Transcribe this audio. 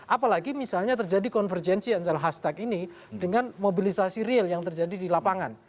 apalagi misalnya terjadi konvergensi antara hashtag ini dengan mobilisasi real yang terjadi di lapangan